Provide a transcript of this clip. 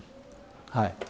はい。